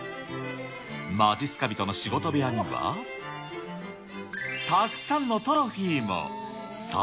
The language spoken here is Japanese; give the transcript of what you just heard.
まじっすか人の仕事部屋には、たくさんのトロフィーも。